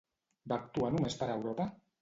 Va actuar només per Europa?